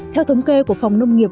theo thống kê của phòng nông nghiệp